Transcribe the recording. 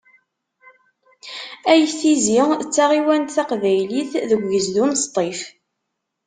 Ayt Tizi d taɣiwant taqbaylit deg ugezdu n Sṭif.